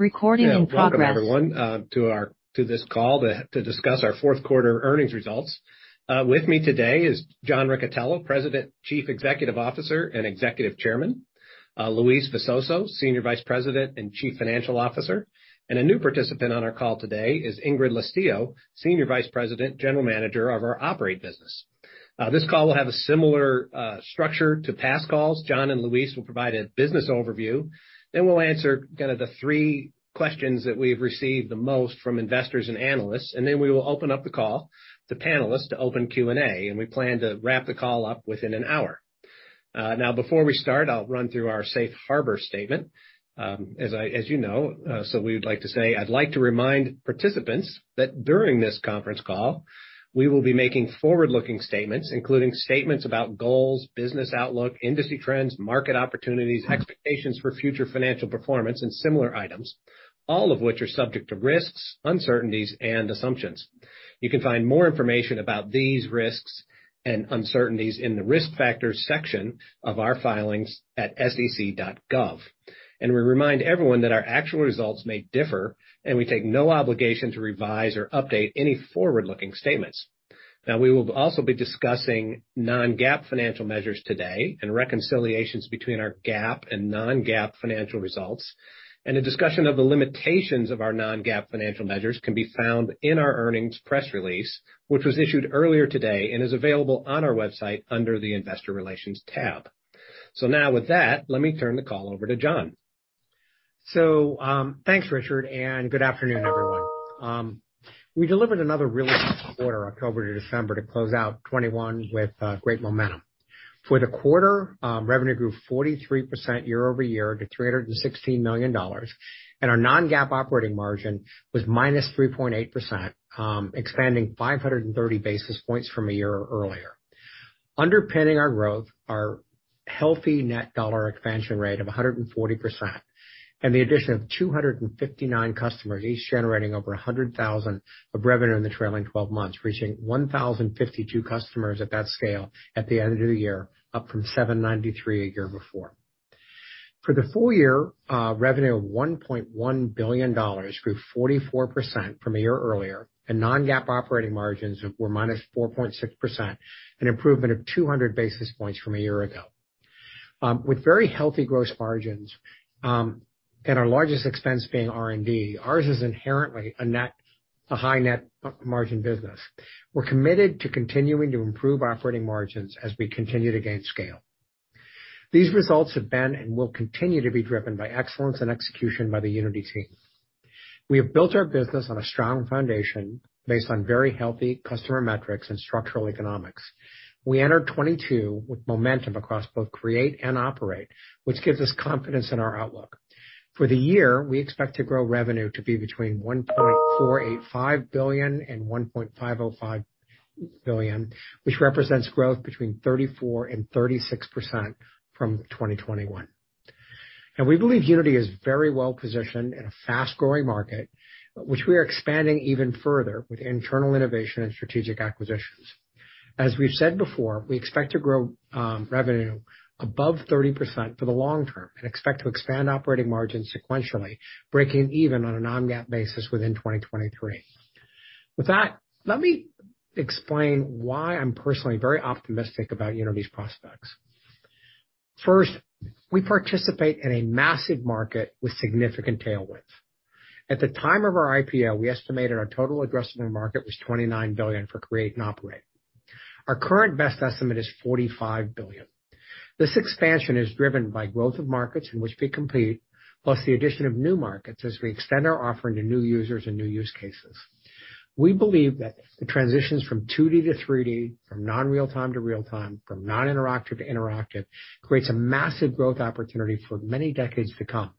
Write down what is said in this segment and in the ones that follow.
Recording in progress Welcome everyone to this call to discuss our fourth quarter earnings results. With me today is John Riccitiello, President, Chief Executive Officer and Executive Chairman, Luis Visoso, Senior Vice President and Chief Financial Officer. A new participant on our call today is Ingrid Lestiyo, Senior Vice President, General Manager of our Operate business. This call will have a similar structure to past calls. John and Luis will provide a business overview, then we'll answer kinda the three questions that we've received the most from investors and analysts. We will open up the call to panelists to open Q&A, and we plan to wrap the call up within an hour. Now before we start, I'll run through our safe harbor statement. As you know, we would like to say, I'd like to remind participants that during this conference call, we will be making forward-looking statements, including statements about goals, business outlook, industry trends, market opportunities, expectations for future financial performance and similar items, all of which are subject to risks, uncertainties and assumptions. You can find more information about these risks and uncertainties in the Risk Factors section of our filings at sec.gov. We remind everyone that our actual results may differ, and we take no obligation to revise or update any forward-looking statements. Now, we will also be discussing non-GAAP financial measures today and reconciliations between our GAAP and non-GAAP financial results, and a discussion of the limitations of our non-GAAP financial measures can be found in our earnings press release, which was issued earlier today and is available on our website under the Investor Relations tab. Now with that, let me turn the call over to John. Thanks, Richard, and good afternoon, everyone. We delivered another really strong quarter, October to December, to close out 2021 with great momentum. For the quarter, revenue grew 43% year-over-year to $316 million. Our non-GAAP operating margin was -3.8%, expanding 530 basis points from a year earlier. Underpinning our growth, our healthy Net Dollar Expansion Rate of 140%, and the addition of 259 customers, each generating over $100,000 of revenue in the trailing twelve months, reaching 1,052 customers at that scale at the end of the year, up from 793 a year before. For the full year, revenue of $1.1 billion grew 44% from a year earlier, and non-GAAP operating margins were -4.6%, an improvement of 200 basis points from a year ago. With very healthy gross margins, and our largest expense being R&D, ours is inherently a high net margin business. We're committed to continuing to improve operating margins as we continue to gain scale. These results have been and will continue to be driven by excellence and execution by the Unity team. We have built our business on a strong foundation based on very healthy customer metrics and structural economics. We entered 2022 with momentum across both Create and Operate, which gives us confidence in our outlook. For the year, we expect to grow revenue to be between $1.485 billion and $1.505 billion, which represents growth between 34% and 36% from 2021. We believe Unity is very well-positioned in a fast-growing market, which we are expanding even further with internal innovation and strategic acquisitions. As we've said before, we expect to grow revenue above 30% for the long term and expect to expand operating margins sequentially, breaking even on a non-GAAP basis within 2023. With that, let me explain why I'm personally very optimistic about Unity's prospects. First, we participate in a massive market with significant tailwinds. At the time of our IPO, we estimated our total addressable market was $29 billion for Create and Operate. Our current best estimate is $45 billion. This expansion is driven by growth of markets in which we compete, plus the addition of new markets as we extend our offering to new users and new use cases. We believe that the transitions from 2D to 3D, from non-real time to real time, from non-interactive to interactive, creates a massive growth opportunity for many decades to come.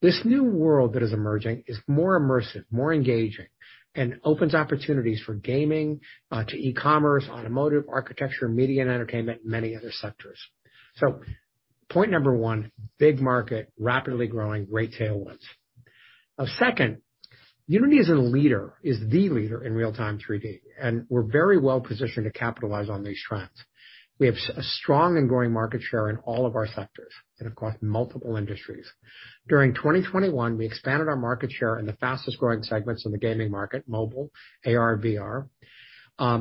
This new world that is emerging is more immersive, more engaging, and opens opportunities for gaming to e-commerce, automotive, architecture, media and entertainment, and many other sectors. Point number one, big market, rapidly growing, great tailwinds. Second, Unity is a leader, is the leader in real-time 3D, and we're very well-positioned to capitalize on these trends. We have a strong and growing market share in all of our sectors and across multiple industries. During 2021, we expanded our market share in the fastest-growing segments in the gaming market, mobile, AR, VR.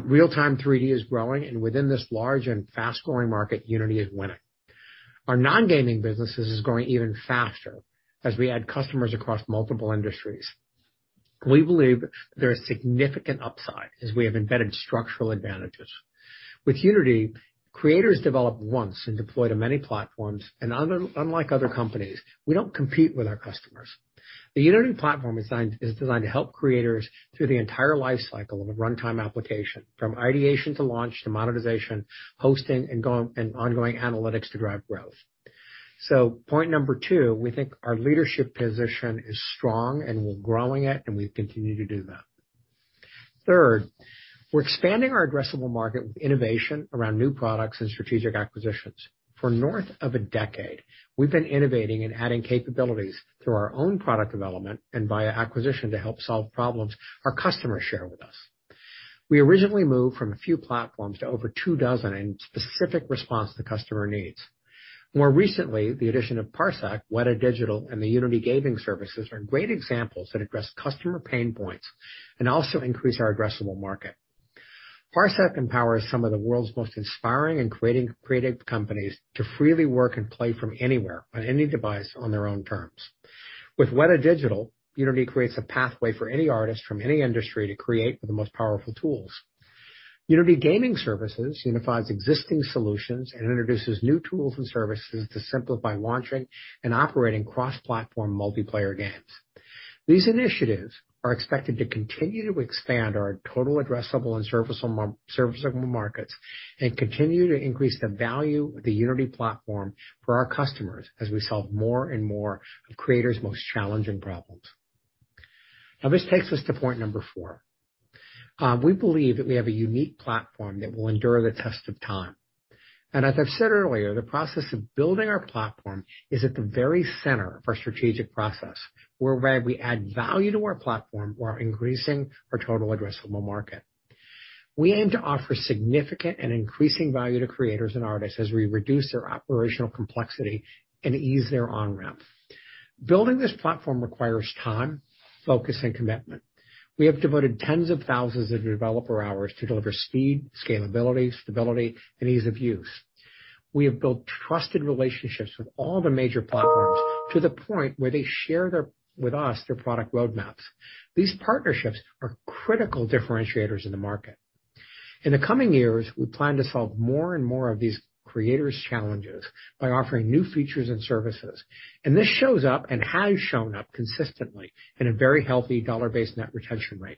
Real-time 3D is growing, and within this large and fast-growing market, Unity is winning. Our non-gaming businesses is growing even faster as we add customers across multiple industries. We believe there is significant upside as we have embedded structural advantages. With Unity, creators develop once and deploy to many platforms. Unlike other companies, we don't compete with our customers. The Unity platform is designed to help creators through the entire lifecycle of a runtime application, from ideation to launch to monetization, hosting and ongoing analytics to drive growth. Point number two, we think our leadership position is strong and we're growing it, and we continue to do that. Third, we're expanding our addressable market with innovation around new products and strategic acquisitions. For north of a decade, we've been innovating and adding capabilities through our own product development and via acquisition to help solve problems our customers share with us. We originally moved from a few platforms to over two dozen in specific response to customer needs. More recently, the addition of Parsec, Weta Digital, and the Unity Gaming Services are great examples that address customer pain points and also increase our addressable market. Parsec empowers some of the world's most inspiring and creative companies to freely work and play from anywhere on any device on their own terms. With Weta Digital, Unity creates a pathway for any artist from any industry to create with the most powerful tools. Unity Gaming Services unifies existing solutions and introduces new tools and services to simplify launching and operating cross-platform multiplayer games. These initiatives are expected to continue to expand our total addressable and serviceable markets and continue to increase the value of the Unity platform for our customers as we solve more and more of creators' most challenging problems. Now, this takes us to point number four. We believe that we have a unique platform that will endure the test of time. As I've said earlier, the process of building our platform is at the very center of our strategic process, where we add value to our platform while increasing our total addressable market. We aim to offer significant and increasing value to creators and artists as we reduce their operational complexity and ease their on-ramp. Building this platform requires time, focus, and commitment. We have devoted tens of thousands of developer hours to deliver speed, scalability, stability, and ease of use. We have built trusted relationships with all the major platforms, to the point where they share their, with us, their product roadmaps. These partnerships are critical differentiators in the market. In the coming years, we plan to solve more and more of these creators' challenges by offering new features and services, and this shows up and has shown up consistently in a very healthy dollar-based net retention rate.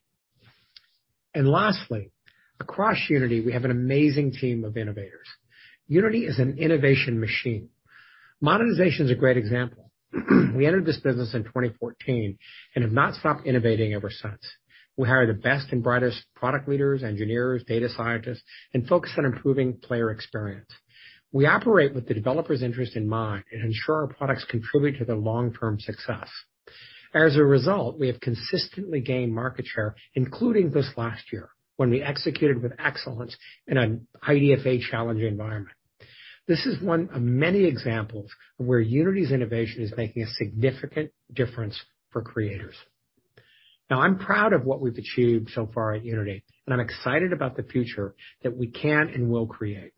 Lastly, across Unity, we have an amazing team of innovators. Unity is an innovation machine. Monetization is a great example. We entered this business in 2014 and have not stopped innovating ever since. We hire the best and brightest product leaders, engineers, data scientists, and focus on improving player experience. We operate with the developers' interest in mind and ensure our products contribute to their long-term success. As a result, we have consistently gained market share, including this last year, when we executed with excellence in an IDFA challenge environment. This is one of many examples of where Unity's innovation is making a significant difference for creators. Now, I'm proud of what we've achieved so far at Unity, and I'm excited about the future that we can and will create.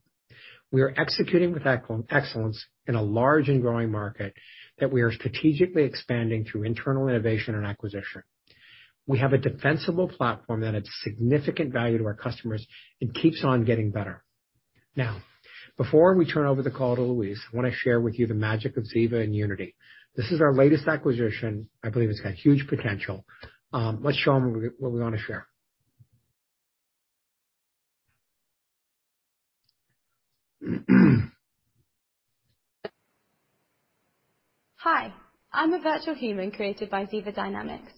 We are executing with excellence in a large and growing market that we are strategically expanding through internal innovation and acquisition. We have a defensible platform that adds significant value to our customers and keeps on getting better. Now, before we turn over the call to Luis, I wanna share with you the magic of Ziva in Unity. This is our latest acquisition. I believe it's got huge potential. Let's show them what we wanna share. Hi, I'm a virtual human created by Ziva Dynamics.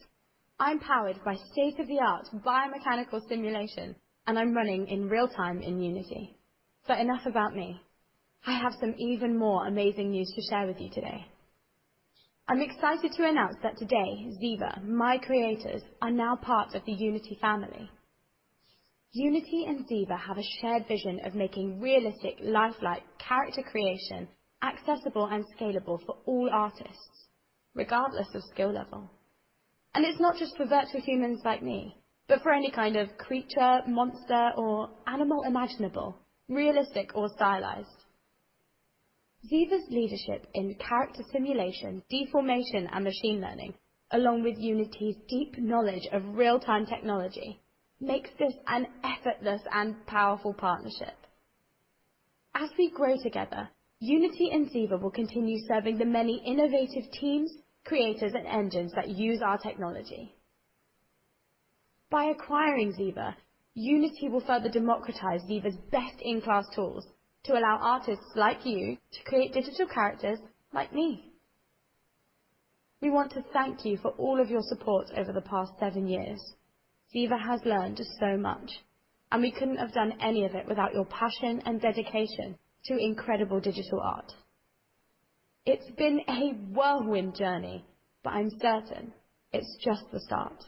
I'm powered by state-of-the-art biomechanical simulation, and I'm running in real-time in Unity. Enough about me. I have some even more amazing news to share with you today. I'm excited to announce that today, Ziva, my creators, are now part of the Unity family. Unity and Ziva have a shared vision of making realistic lifelike character creation accessible and scalable for all artists, regardless of skill level. It's not just for virtual humans like me, but for any kind of creature, monster, or animal imaginable, realistic or stylized. Ziva's leadership in character simulation, deformation, and machine learning, along with Unity's deep knowledge of real-time technology, makes this an effortless and powerful partnership. As we grow together, Unity and Ziva will continue serving the many innovative teams, creators, and engines that use our technology. By acquiring Ziva, Unity will further democratize Ziva's best-in-class tools to allow artists like you to create digital characters like me. We want to thank you for all of your support over the past seven years. Ziva has learned so much, and we couldn't have done any of it without your passion and dedication to incredible digital art. It's been a whirlwind journey, but I'm certain it's just the start.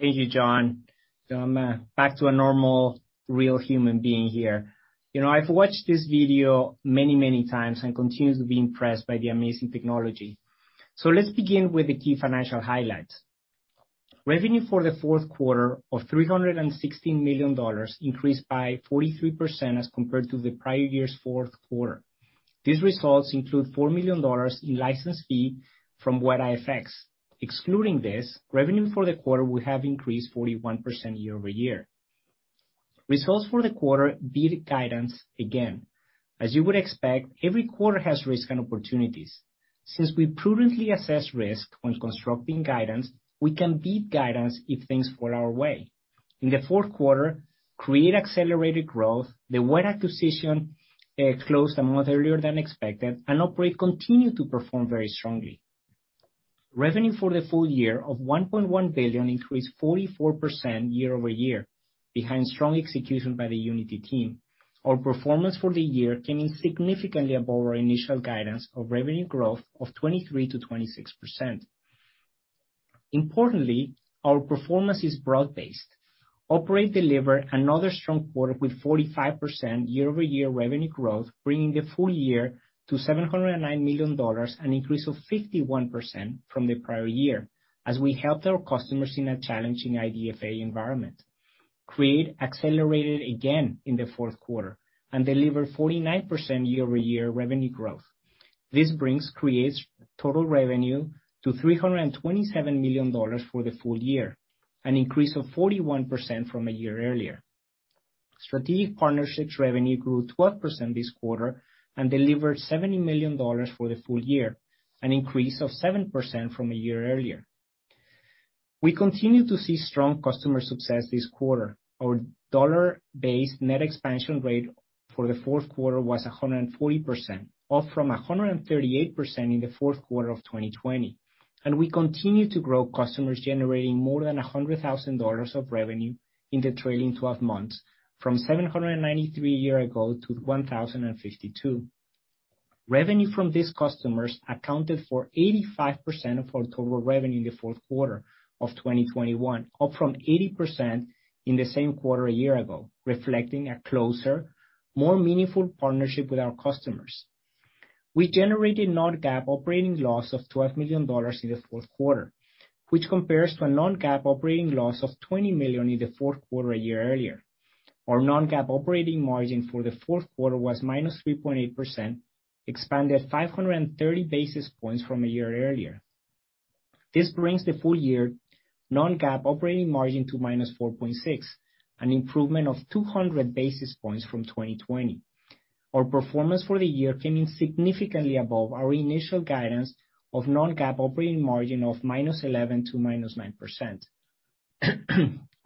Thank you, John. I'm back to a normal, real human being here. You know, I've watched this video many, many times and continue to be impressed by the amazing technology. Let's begin with the key financial highlights. Revenue for the fourth quarter of $316 million increased by 43% as compared to the prior year's fourth quarter. These results include $4 million in license fee from WetaFX. Excluding this, revenue for the quarter would have increased 41% year-over-year. Results for the quarter beat guidance again. As you would expect, every quarter has risks and opportunities. Since we prudently assess risk when constructing guidance, we can beat guidance if things fall our way. In the fourth quarter, Create accelerated growth, the Weta acquisition closed a month earlier than expected, and Operate continued to perform very strongly. Revenue for the full year of $1.1 billion increased 44% year-over-year. Behind strong execution by the Unity team, our performance for the year came in significantly above our initial guidance of revenue growth of 23%-26%. Importantly, our performance is broad-based. Operate delivered another strong quarter with 45% year-over-year revenue growth, bringing the full year to $709 million, an increase of 51% from the prior year, as we helped our customers in a challenging IDFA environment. Create accelerated again in the fourth quarter and delivered 49% year-over-year revenue growth. This brings Create's total revenue to $327 million for the full year, an increase of 41% from a year earlier. Strategic Partnerships revenue grew 12% this quarter and delivered $70 million for the full year, an increase of 7% from a year earlier. We continue to see strong customer success this quarter. Our dollar-based net expansion rate for the fourth quarter was 140%, up from 138% in the fourth quarter of 2020. We continue to grow customers generating more than $100,000 of revenue in the trailing twelve months from 793 a year ago to 1,052. Revenue from these customers accounted for 85% of our total revenue in the fourth quarter of 2021, up from 80% in the same quarter a year ago, reflecting a closer, more meaningful partnership with our customers. We generated non-GAAP operating loss of $12 million in the fourth quarter, which compares to a non-GAAP operating loss of $20 million in the fourth quarter a year earlier. Our non-GAAP operating margin for the fourth quarter was -3.8%, expanded 530 basis points from a year earlier. This brings the full year non-GAAP operating margin to -4.6%, an improvement of 200 basis points from 2020. Our performance for the year came in significantly above our initial guidance of non-GAAP operating margin of -11% to -9%.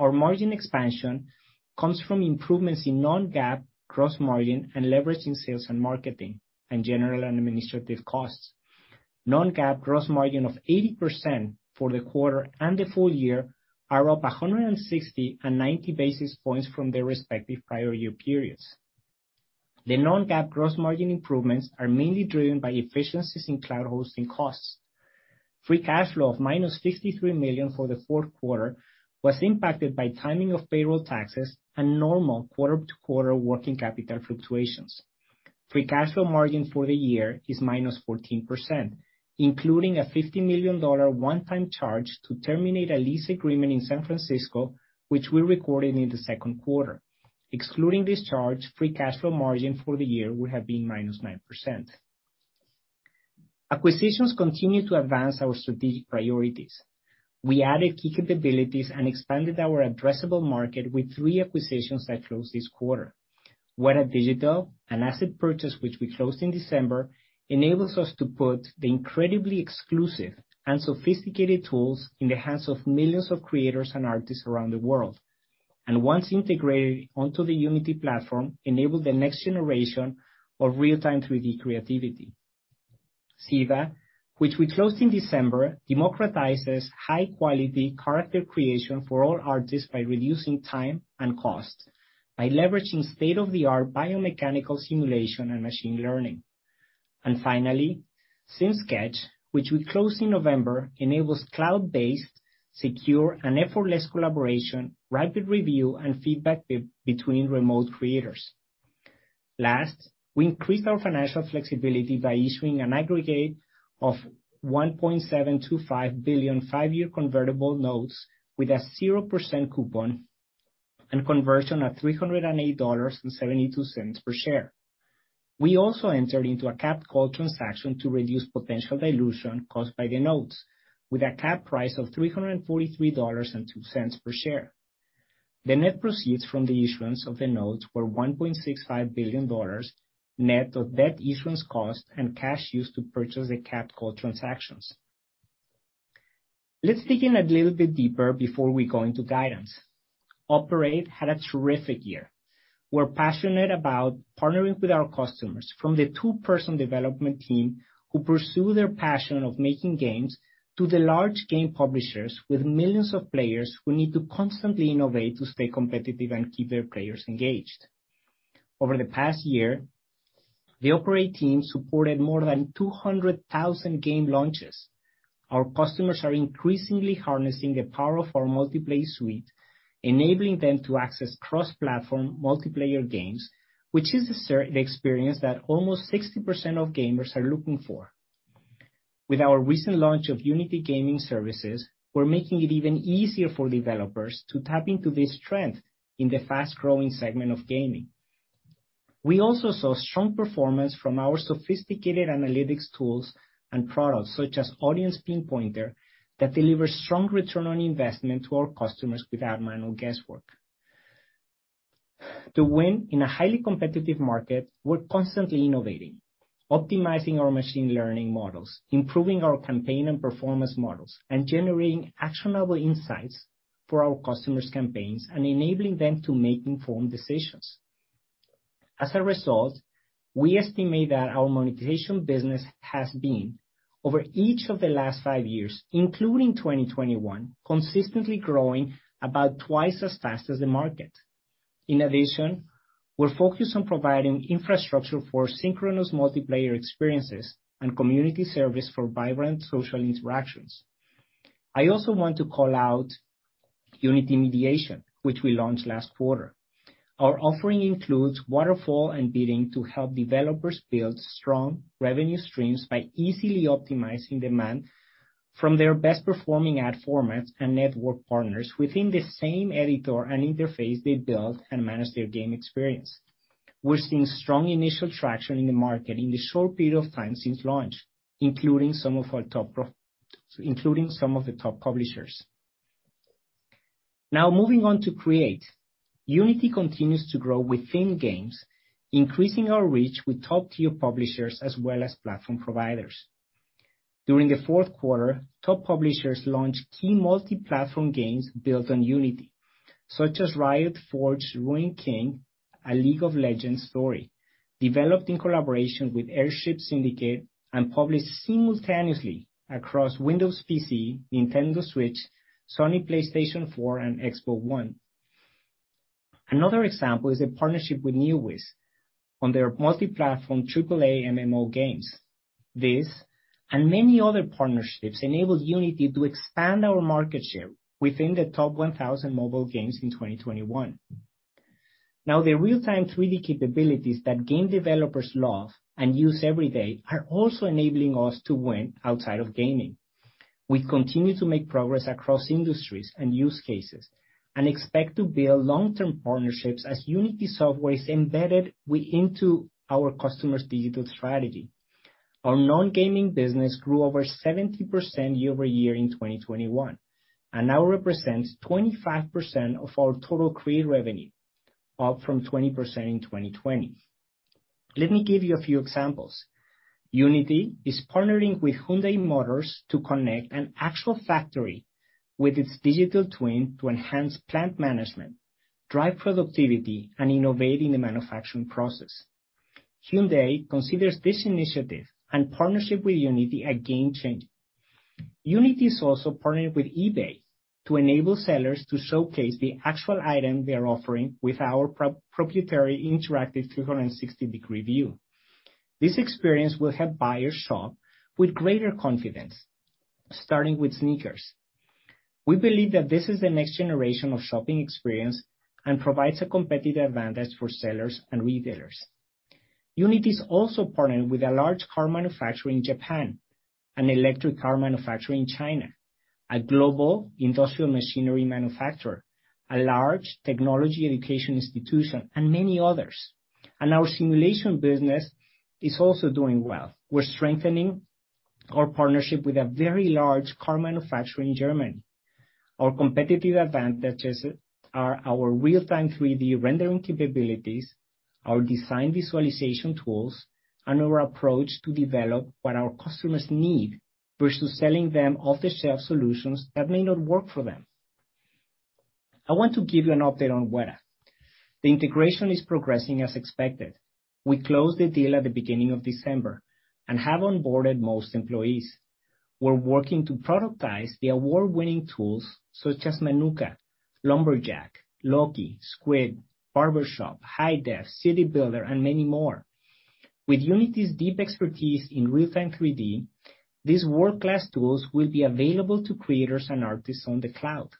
Our margin expansion comes from improvements in non-GAAP gross margin and leverage in sales and marketing and general and administrative costs. Non-GAAP gross margin of 80% for the quarter and the full year are up 160 and 90 basis points from their respective prior year periods. The non-GAAP gross margin improvements are mainly driven by efficiencies in cloud hosting costs. Free cash flow of -$53 million for the fourth quarter was impacted by timing of payroll taxes and normal quarter-to-quarter working capital fluctuations. Free cash flow margin for the year is -14%, including a $50 million one-time charge to terminate a lease agreement in San Francisco, which we recorded in the second quarter. Excluding this charge, free cash flow margin for the year would have been -9%. Acquisitions continue to advance our strategic priorities. We added key capabilities and expanded our addressable market with three acquisitions that closed this quarter. Weta Digital, an asset purchase which we closed in December, enables us to put the incredibly exclusive and sophisticated tools in the hands of millions of creators and artists around the world. Once integrated onto the Unity platform, enable the next generation of real-time 3D creativity. Ziva, which we closed in December, democratizes high-quality character creation for all artists by reducing time and cost, by leveraging state-of-the-art biomechanical simulation and machine learning. Finally, SyncSketch, which we closed in November, enables cloud-based, secure, and effortless collaboration, rapid review, and feedback between remote creators. Last, we increased our financial flexibility by issuing an aggregate of $1.725 billion five-year convertible notes with a 0% coupon and conversion at $308.72 per share. We also entered into a capped call transaction to reduce potential dilution caused by the notes, with a cap price of $343.02 per share. The net proceeds from the issuance of the notes were $1.65 billion, net of debt issuance cost and cash used to purchase the capped call transactions. Let's dig in a little bit deeper before we go into guidance. Operate had a terrific year. We're passionate about partnering with our customers, from the two-person development team who pursue their passion of making games, to the large game publishers with millions of players who need to constantly innovate to stay competitive and keep their players engaged. Over the past year, the Operate team supported more than 200,000 game launches. Our customers are increasingly harnessing the power of our multiplayer suite, enabling them to access cross-platform multiplayer games, which is the experience that almost 60% of gamers are looking for. With our recent launch of Unity Gaming Services, we're making it even easier for developers to tap into this trend in the fast-growing segment of gaming. We also saw strong performance from our sophisticated analytics tools and products, such as Audience Pinpointer, that delivers strong return on investment to our customers without manual guesswork. To win in a highly competitive market, we're constantly innovating, optimizing our machine learning models, improving our campaign and performance models, and generating actionable insights for our customers' campaigns and enabling them to make informed decisions. As a result, we estimate that our monetization business has been, over each of the last five years, including 2021, consistently growing about twice as fast as the market. In addition, we're focused on providing infrastructure for synchronous multiplayer experiences and community service for vibrant social interactions. I also want to call out Unity Mediation, which we launched last quarter. Our offering includes waterfall and bidding to help developers build strong revenue streams by easily optimizing demand from their best-performing ad formats and network partners within the same editor and interface they build and manage their game experience. We're seeing strong initial traction in the market in the short period of time since launch, including some of the top publishers. Now moving on to Create. Unity continues to grow within games, increasing our reach with top-tier publishers as well as platform providers. During the fourth quarter, top publishers launched key multi-platform games built on Unity, such as Riot Forge's Ruined King: A League of Legends Story, developed in collaboration with Airship Syndicate and published simultaneously across Windows PC, Nintendo Switch, Sony PlayStation 4, and Xbox One. Another example is a partnership with Neowiz on their multi-platform AAA MMO games. This, and many other partnerships, enabled Unity to expand our market share within the top 1,000 mobile games in 2021. Now, the real-time 3D capabilities that game developers love and use every day are also enabling us to win outside of gaming. We continue to make progress across industries and use cases, and expect to build long-term partnerships as Unity Software is embedded into our customer's digital strategy. Our non-gaming business grew over 70% year-over-year in 2021, and now represents 25% of our total Create revenue, up from 20% in 2020. Let me give you a few examples. Unity is partnering with Hyundai Motor Company to connect an actual factory with its digital twin to enhance plant management, drive productivity, and innovate in the manufacturing process. Hyundai considers this initiative and partnership with Unity a game changer. Unity is also partnered with eBay to enable sellers to showcase the actual item they are offering with our proprietary interactive 360-degree view. This experience will help buyers shop with greater confidence, starting with sneakers. We believe that this is the next generation of shopping experience and provides a competitive advantage for sellers and retailers. Unity is also partnered with a large car manufacturer in Japan, an electric car manufacturer in China, a global industrial machinery manufacturer, a large technology education institution, and many others. Our simulation business is also doing well. We're strengthening our partnership with a very large car manufacturer in Germany. Our competitive advantages are our real-time 3D rendering capabilities, our design visualization tools, and our approach to develop what our customers need versus selling them off-the-shelf solutions that may not work for them. I want to give you an update on Weta. The integration is progressing as expected. We closed the deal at the beginning of December and have onboarded most employees. We're working to productize the award-winning tools such as Manuka, Lumberjack, Loki, Squid, Barbershop, HiDef, CityBuilder, and many more. With Unity's deep expertise in real-time 3D, these world-class tools will be available to creators and artists on the cloud.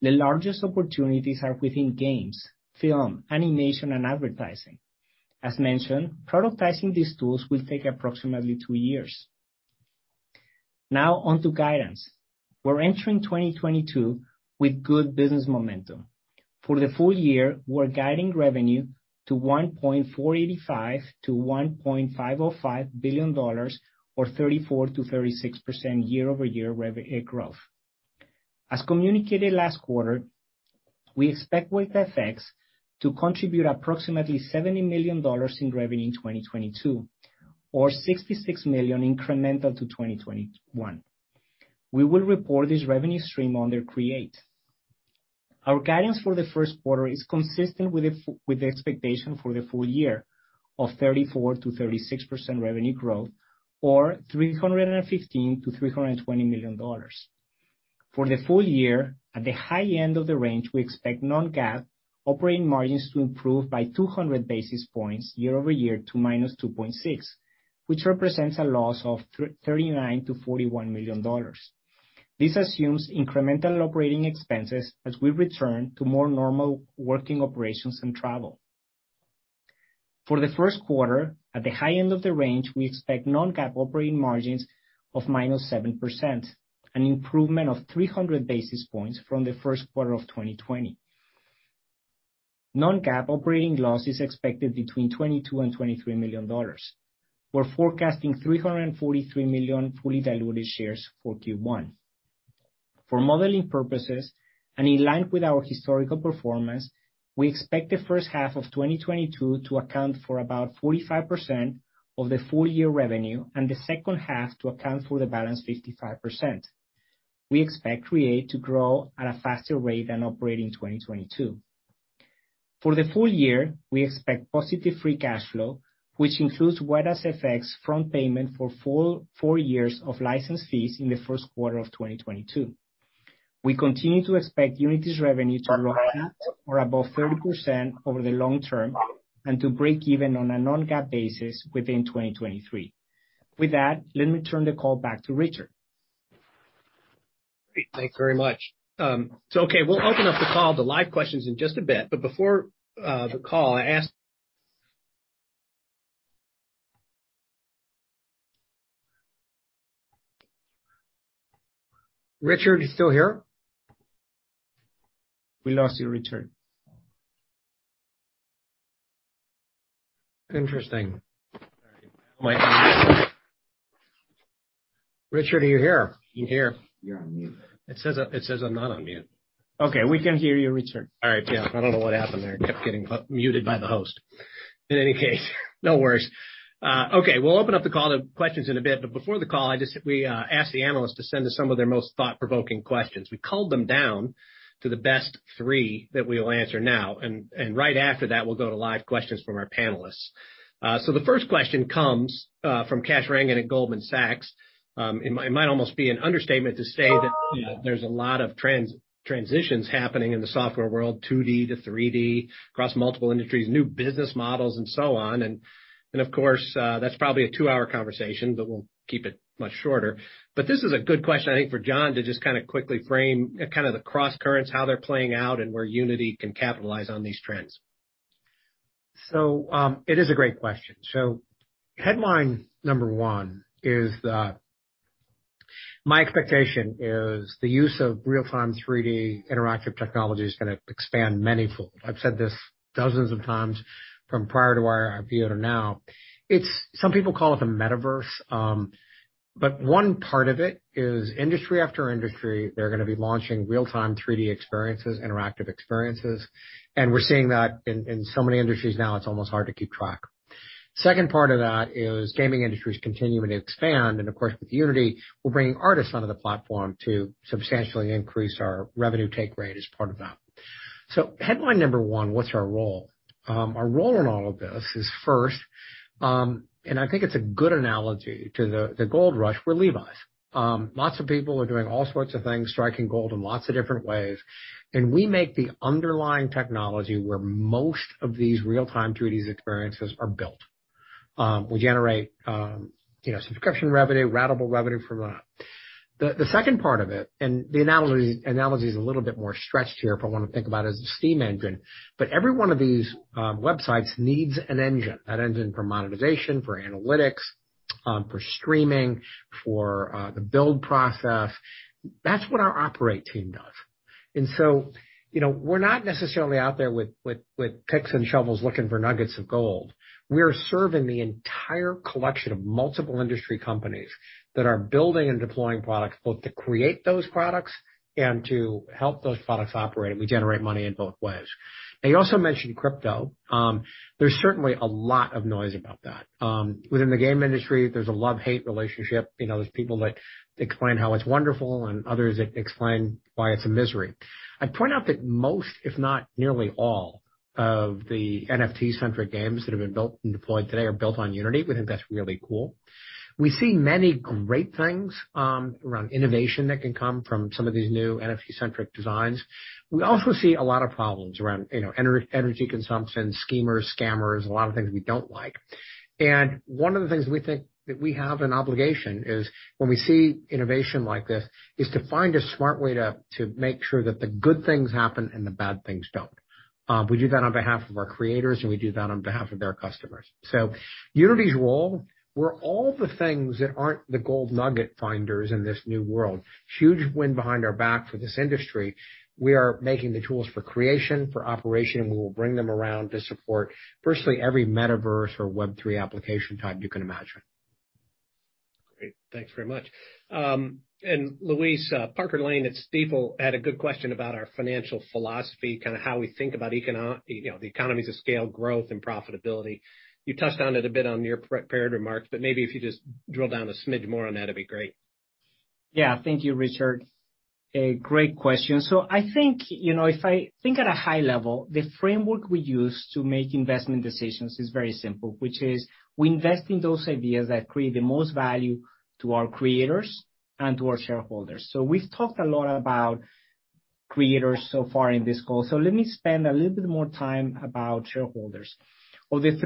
The largest opportunities are within games, film, animation, and advertising. As mentioned, productizing these tools will take approximately two years. Now on to guidance. We're entering 2022 with good business momentum. For the full year, we're guiding revenue to $1.485 billion-$1.505 billion, or 34%-36% year-over-year growth. As communicated last quarter, we expect WetaFX to contribute approximately $70 million in revenue in 2022, or $66 million incremental to 2021. We will report this revenue stream under Create. Our guidance for the first quarter is consistent with the expectation for the full year of 34%-36% revenue growth or $315 million-$320 million. For the full year, at the high end of the range, we expect non-GAAP operating margins to improve by 200 basis points year-over-year to -2.6%, which represents a loss of $39 million-$41 million. This assumes incremental operating expenses as we return to more normal working operations and travel. For the first quarter, at the high end of the range, we expect non-GAAP operating margins of -7%, an improvement of 300 basis points from the first quarter of 2020. Non-GAAP operating loss is expected between $22 million and $23 million. We're forecasting 343 million fully diluted shares for Q1. For modeling purposes, and in line with our historical performance, we expect the first half of 2022 to account for about 45% of the full year revenue, and the second half to account for the balance 55%. We expect Create to grow at a faster rate than Operate in 2022. For the full year, we expect positive free cash flow, which includes WetaFX upfront payment for full four years of license fees in the first quarter of 2022. We continue to expect Unity's revenue to grow at or above 30% over the long term and to break even on a non-GAAP basis within 2023. With that, let me turn the call back to Richard. Great. Thanks very much. Okay, we'll open up the call to live questions in just a bit, but before the call, I ask Richard, you still here? We lost you, Richard. Interesting. All right. Richard, are you here? He's here. You're on mute. It says I'm not on mute. Okay. We can hear you, Richard. All right. Yeah. I don't know what happened there. Kept getting muted by the host. In any case, no worries. Okay, we'll open up the call to questions in a bit, but before the call, we asked the analysts to send us some of their most thought-provoking questions. We culled them down to the best three that we will answer now, and right after that, we'll go to live questions from our panelists. So the first question comes from Kash Rangan at Goldman Sachs. It might almost be an understatement to say that there's a lot of transitions happening in the software world, 2D to 3D, across multiple industries, new business models, and so on. Of course, that's probably a two-hour conversation, but we'll keep it much shorter. This is a good question, I think, for John to just kinda quickly frame kinda the crosscurrents, how they're playing out, and where Unity can capitalize on these trends. It is a great question. Headline number one is that my expectation is the use of real-time 3D interactive technology is gonna expand manifold. I've said this dozens of times from prior to our IPO to now. It's some people call it the metaverse, but one part of it is industry after industry, they're gonna be launching real-time 3D experiences, interactive experiences. We're seeing that in so many industries now, it's almost hard to keep track. Second part of that is gaming industry is continuing to expand, and of course, with Unity, we're bringing artists onto the platform to substantially increase our revenue take rate as part of that. Headline number one, what's our role? Our role in all of this is first, and I think it's a good analogy to the gold rush, we're Levi's. Lots of people are doing all sorts of things, striking gold in lots of different ways, and we make the underlying technology where most of these real-time 3D experiences are built. We generate, you know, subscription revenue, ratable revenue from that. The second part of it, and the analogy is a little bit more stretched here, but I wanna think about it as a steam engine. Every one of these websites needs an engine, an engine for monetization, for analytics, for streaming, for the build process. That's what our Operate team does. You know, we're not necessarily out there with picks and shovels looking for nuggets of gold. We are serving the entire collection of multiple industry companies that are building and deploying products, both to create those products and to help those products operate, and we generate money in both ways. Now you also mentioned crypto. There's certainly a lot of noise about that. Within the game industry, there's a love-hate relationship. You know, there's people that explain how it's wonderful and others that explain why it's a misery. I'd point out that most, if not nearly all of the NFT-centric games that have been built and deployed today are built on Unity. We think that's really cool. We see many great things around innovation that can come from some of these new NFT-centric designs. We also see a lot of problems around, you know, energy consumption, schemers, scammers, a lot of things we don't like. One of the things we think that we have an obligation is when we see innovation like this, is to find a smart way to make sure that the good things happen and the bad things don't. We do that on behalf of our creators, and we do that on behalf of their customers. Unity's role, we're all the things that aren't the gold nugget finders in this new world. Huge wind behind our back for this industry. We are making the tools for creation, for operation, and we will bring them around to support firstly, every metaverse or Web3 application type you can imagine. Great. Thanks very much. Luis, Parker Lane at Stifel had a good question about our financial philosophy, kinda how we think about you know, the economies of scale, growth, and profitability. You touched on it a bit in your prepared remarks, but maybe if you just drill down a smidge more on that, it'd be great. Yeah. Thank you, Richard. A great question. I think, you know, if I think at a high level, the framework we use to make investment decisions is very simple, which is we invest in those ideas that create the most value to our creators and to our shareholders. We've talked a lot about creators so far in this call, so let me spend a little bit more time about shareholders. Of the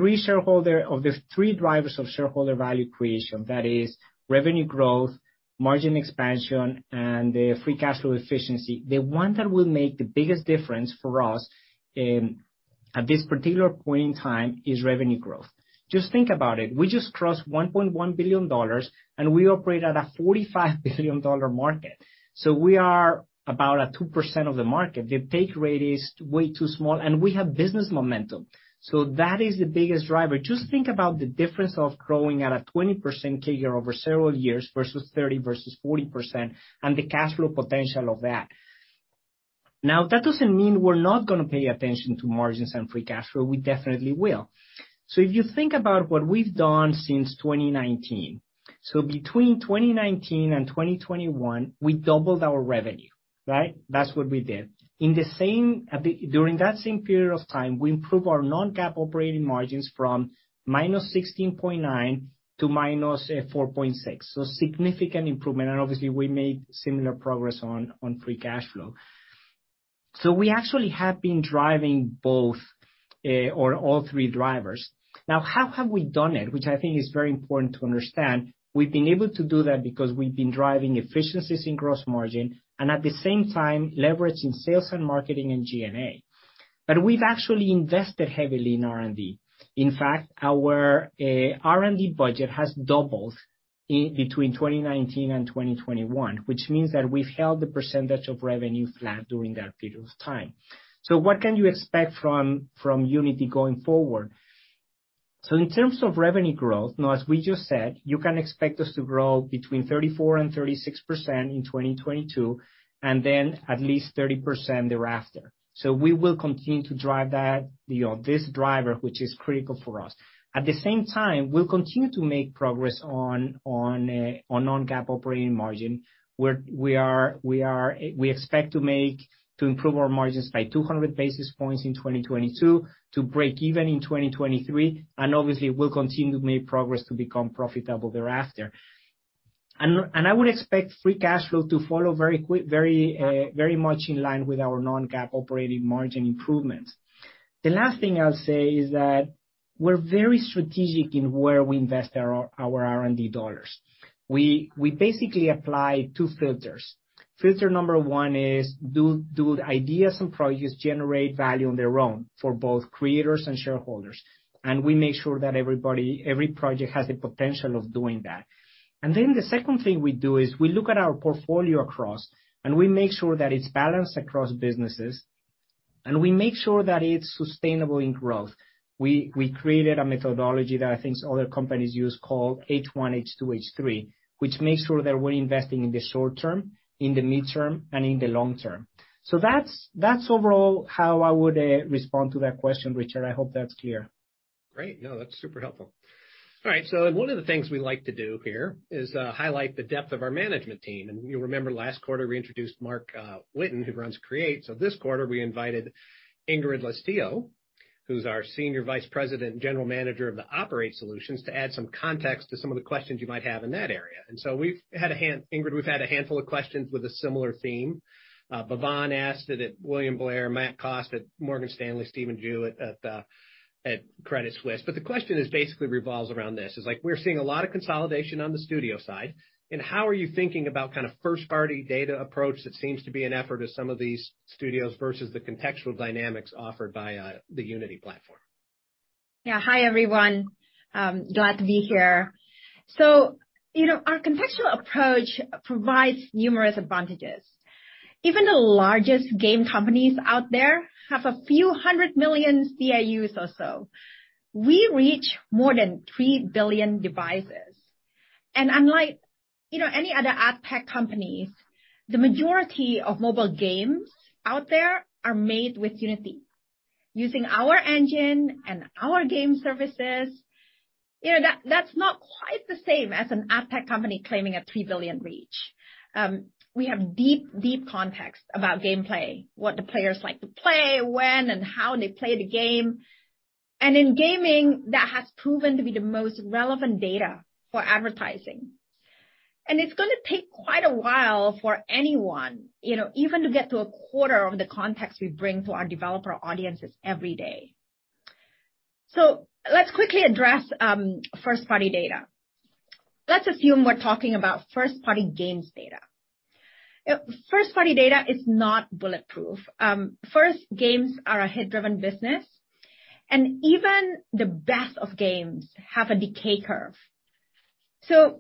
three drivers of shareholder value creation, that is revenue growth, margin expansion, and the free cash flow efficiency, the one that will make the biggest difference for us at this particular point in time is revenue growth. Just think about it. We just crossed $1.1 billion, and we operate at a $45 billion market. We are about at 2% of the market. The take rate is way too small, and we have business momentum. That is the biggest driver. Just think about the difference of growing at a 20% CAGR over several years versus 30%, versus 40%, and the cash flow potential of that. Now, that doesn't mean we're not gonna pay attention to margins and free cash flow. We definitely will. If you think about what we've done since 2019, so between 2019 and 2021, we doubled our revenue, right? That's what we did. During that same period of time, we improved our non-GAAP operating margins from minus 16.9% to minus 4.6%. Significant improvement. Obviously we made similar progress on free cash flow. We actually have been driving both or all three drivers. Now, how have we done it? Which I think is very important to understand. We've been able to do that because we've been driving efficiencies in gross margin, and at the same time leveraging sales and marketing and G&A. We've actually invested heavily in R&D. In fact, our R&D budget has doubled in between 2019 and 2021, which means that we've held the percentage of revenue flat during that period of time. What can you expect from Unity going forward? In terms of revenue growth, now, as we just said, you can expect us to grow between 34%-36% in 2022, and then at least 30% thereafter. We will continue to drive that, you know, this driver, which is critical for us. At the same time, we'll continue to make progress on non-GAAP operating margin, where we expect to improve our margins by 200 basis points in 2022, to break even in 2023, and obviously we'll continue to make progress to become profitable thereafter. I would expect free cash flow to follow very quickly very much in line with our non-GAAP operating margin improvements. The last thing I'll say is that we're very strategic in where we invest our R&D dollars. We basically apply two filters. Filter number one is, do the ideas and projects generate value on their own for both creators and shareholders? We make sure that every project has the potential of doing that. The second thing we do is we look at our portfolio across, and we make sure that it's balanced across businesses, and we make sure that it's sustainable in growth. We created a methodology that I think other companies use called H1, H2, H3, which makes sure that we're investing in the short term, in the mid term, and in the long term. That's overall how I would respond to that question, Richard. I hope that's clear. Great. No, that's super helpful. All right, one of the things we like to do here is highlight the depth of our management team. You'll remember last quarter we introduced Marc Whitten, who runs Create. This quarter we invited Ingrid Lestiyo, who's our Senior Vice President and General Manager of the Operate Solutions, to add some context to some of the questions you might have in that area. Ingrid, we've had a handful of questions with a similar theme. Bhavan asked it at William Blair, Matt Cost at Morgan Stanley, Stephen Ju at Credit Suisse. The question is basically revolves around this, is like we're seeing a lot of consolidation on the studio side, and how are you thinking about kind of first-party data approach that seems to be an effort of some of these studios versus the contextual dynamics offered by the Unity platform? Yeah. Hi, everyone. Glad to be here. Our contextual approach provides numerous advantages. Even the largest game companies out there have a few hundred million DAUs or so. We reach more than 3 billion devices. Unlike any other adtech companies, the majority of mobile games out there are made with Unity, using our engine and our game services. You know, that's not quite the same as an adtech company claiming a 3 billion reach. We have deep context about gameplay, what the players like to play, when and how they play the game. In gaming, that has proven to be the most relevant data for advertising. It's gonna take quite a while for anyone, you know, even to get to a quarter of the context we bring to our developer audiences every day. Let's quickly address first-party data. Let's assume we're talking about first-party games data. First-party data is not bulletproof. First, games are a hit-driven business, and even the best of games have a decay curve.